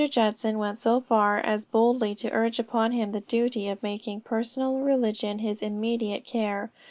Judson went so far as boldly to urge upon him the duty of making personal religion his immediate care.